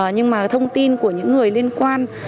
nhưng mà thông tin của những người liên quan